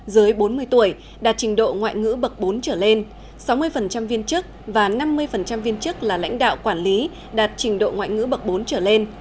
dưới bốn mươi tuổi đạt trình độ ngoại ngữ bậc bốn trở lên sáu mươi viên chức và năm mươi viên chức là lãnh đạo quản lý đạt trình độ ngoại ngữ bậc bốn trở lên